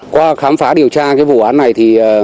qua khám phá điều tra cái vụ án này thì